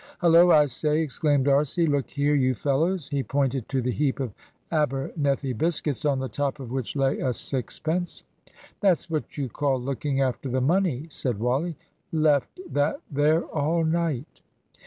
"Hullo! I say," exclaimed D'Arcy. "Look here, you fellows." He pointed to the heap of Abernethy biscuits, on the top of which lay a sixpence. "That's what you call looking after the money," said Wally. "Left that there all night."